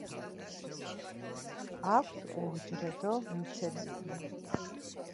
აქვთ უუჯრედო მიცელიუმი.